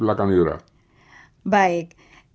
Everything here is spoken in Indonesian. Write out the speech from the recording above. terima kasih pak niko